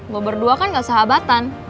gua berdua kan ga sahabatan